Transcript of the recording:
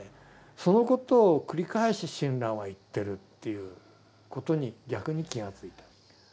そのことを繰り返し親鸞は言ってるということに逆に気がついた。